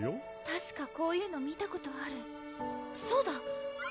たしかこういうの見たことあるそうだ！